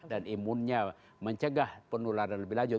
dan imunnya mencegah penularan lebih lanjut